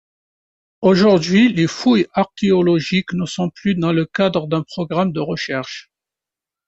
Aujourd'hui les fouilles archéologiques ne sont plus dans le cadre d'un programme de recherches.